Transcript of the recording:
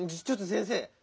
ちょっと先生。